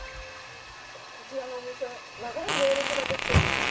こちらのお店、長い行列ができています。